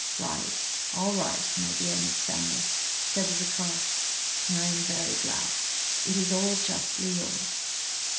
"Right all right, my dear Miss Stanley," said the vicar; "I am very glad it is all justly yours."